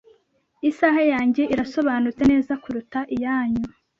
Isaha yanjye irasobanutse neza kuruta iyanyu.